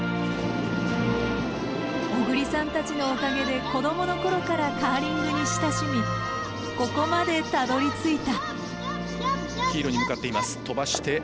小栗さんたちのおかげで子どもの頃からカーリングに親しみここまでたどりついた。